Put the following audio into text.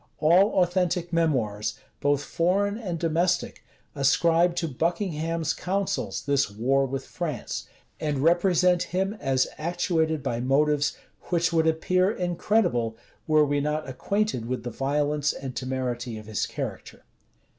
All authentic memoirs, both foreign and domestic, ascribe to Buckingham's counsels this war with France, and represent him as actuated by motives which would appear incredible, were we not acquainted with the violence and temerity of his character.